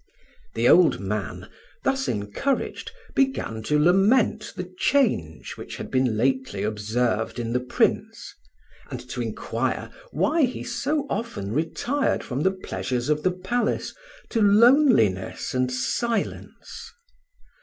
The old man, thus encouraged, began to lament the change which had been lately observed in the Prince, and to inquire why he so often retired from the pleasures of the palace to loneliness and silence.